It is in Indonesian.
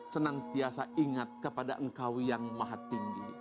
senantiasa ingat kepada engkau yang maha tinggi